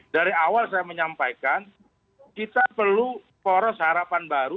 dari awal saya menyampaikan kita perlu poros harapan baru